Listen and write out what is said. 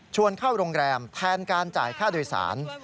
เข้าโรงแรมแทนการจ่ายค่าโดยสาร